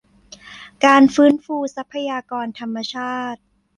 การฟื้นฟูทรัพยากรธรรมชาติ